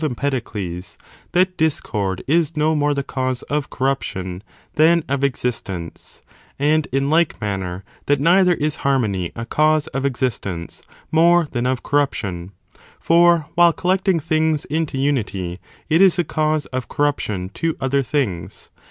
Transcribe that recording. Empedocles, that discord is no more the cause of corruption than of existence ; and, in like manner, that neither is harmony a cause of existence more than of corruption, for while collecting things into imity it is a cause of corruption to other things.